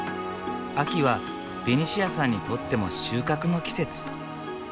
秋はベニシアさんにとっても収穫の季節。